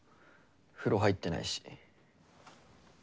風呂入ってないし。